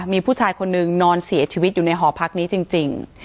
มีผู้ชายคนนึงนอนเสียชีวิตอยู่ในหอพักนี้จริง